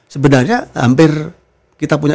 sebenarnya hampir kita punya